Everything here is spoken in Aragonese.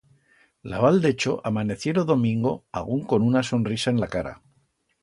La Val d'Echo amanecié lo domingo agún con una sonrisa en la cara.